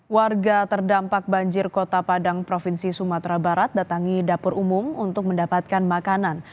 warga terdampak banjir kota padang provinsi sumatera barat datangi dapur umum untuk mendapatkan makanan